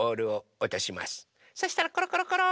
そしたらコロコロコロ。